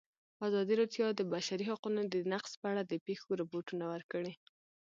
ازادي راډیو د د بشري حقونو نقض په اړه د پېښو رپوټونه ورکړي.